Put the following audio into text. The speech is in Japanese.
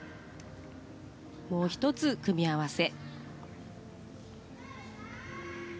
もう１つ、組み合わせ。